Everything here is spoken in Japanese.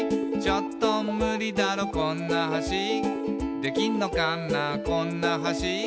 「ちょっとムリだろこんな橋」「できんのかなこんな橋」